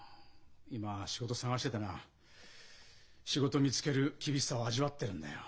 今仕事探しててな仕事見つける厳しさを味わってるんだよ。